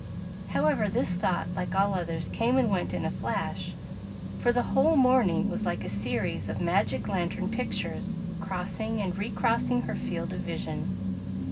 However, this thought, like all others, came and went in a flash, for the whole morning was like a series of magic lantern pictures, crossing and recrossing her field of vision.